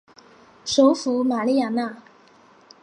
首府玛利亚娜。